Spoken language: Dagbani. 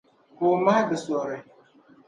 Ka O mahi bɛ suhiri.